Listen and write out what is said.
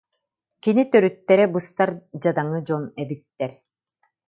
Кини төрүттэрэ быстар дьадаҥы дьон эбиттэр